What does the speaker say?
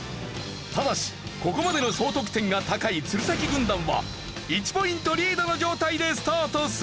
ただしここまでの総得点が高い鶴崎軍団は１ポイントリードの状態でスタートする。